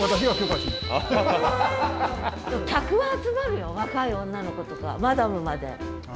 客は集まるよ若い女の子とかマダムまで。